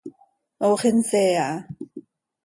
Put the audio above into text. Ox insee aha.